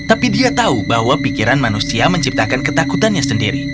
tapi dia tahu bahwa pikiran manusia menciptakan ketakutannya sendiri